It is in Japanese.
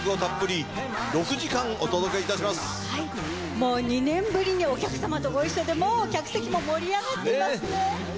もう２年ぶりにお客さまとご一緒でもう客席も盛り上がっていますね。